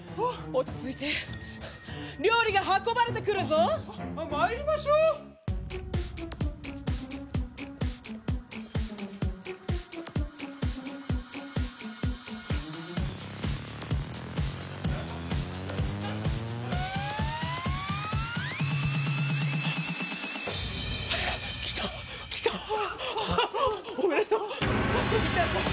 落ち着いて料理が運ばれてくるぞまいりましょう来た来たあああっ